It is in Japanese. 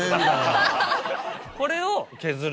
これを削る。